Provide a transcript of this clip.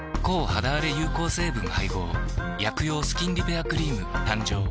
抗肌あれ有効成分配合薬用スキンリペアクリーム誕生